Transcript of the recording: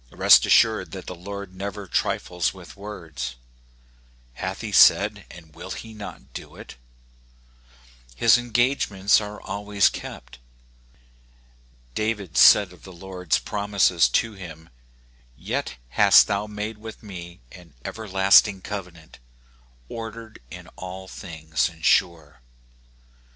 Rest assured that the Lord never trifles with words :" Hath he said, and will he not do it ?*' His engagements are always kept. David said of the Lord's promises to him, " Yet hast thou made with me an everlasting covenant, ordered in all things and sure."